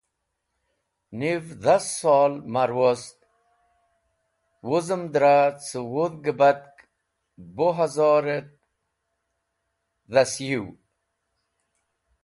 Niv dhas sol ma’r wost wuzem dra ce wudhg batk (bu hazor et dhasyũw).